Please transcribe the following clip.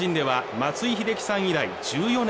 松井秀喜さん以来１４年